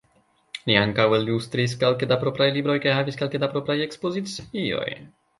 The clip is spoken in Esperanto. Li ankaŭ ilustris kelke da propraj libroj kaj havis kelke da propraj ekspozicioj.